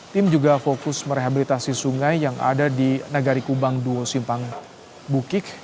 tim juga fokus merehabilitasi sungai yang ada di nagari kubang duo simpang bukik